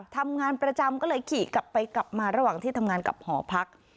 ทำงานประจำก็เลยขี่กลับไปกลับมาระหว่างที่ทำงานกับหอพัก